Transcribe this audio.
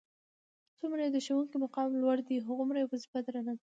څومره چې د ښوونکي مقام لوړ دی هغومره یې وظیفه درنه ده.